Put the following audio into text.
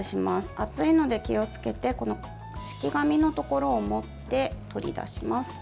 熱いので気をつけて敷き紙のところを持って取り出します。